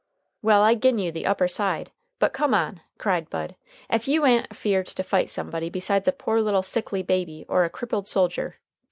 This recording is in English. "Well, I'll gin you the upper side, but come on," cried Bud, "ef you a'n't afeared to fight somebody besides a poor little sickly baby or a crippled soldier.